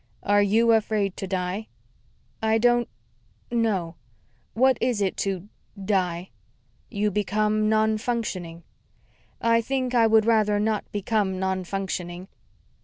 "Are you afraid to die?" "I don't know. What is it to die?" "You become nonfunctioning." "I think I would rather not become nonfunctioning."